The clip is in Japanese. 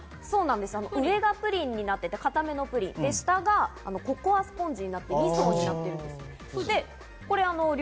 上がプリンになっていて硬めのプリンで下がココアスポンジになって２層になっています。